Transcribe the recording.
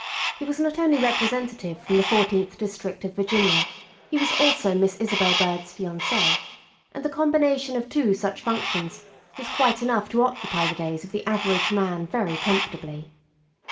He was not only Representative from the Fourteenth District of Virginia, he was also Miss Isabel Byrd's fiance, and the combination of two such functions was quite enough to occupy the days of the average man very comfortably.